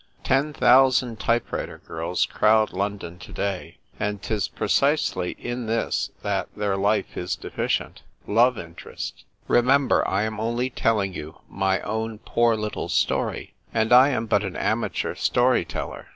Ten thousand type writer girls crowd London to day, and 'tis precisely in this that their life is deficient — love interest. Remember, I am only telling you my own poor little story ; and I am but an amateur story teller.